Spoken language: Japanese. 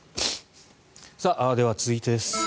では、続いてです。